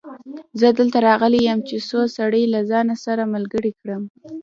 زه دلته راغلی يم چې څو سړي له ځانه سره ملګري کړم.